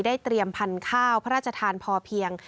เตรียมพันธุ์ข้าวพระราชทานพอเพียง